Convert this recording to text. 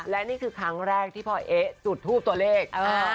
และนี่คือครั้งแรกที่พ่อเอ๊ะจุดทูปตัวเลข